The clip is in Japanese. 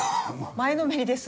前のめりです。